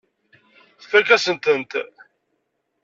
Tfakk-asent-tent.